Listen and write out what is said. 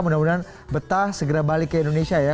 mudah mudahan betah segera balik ke indonesia ya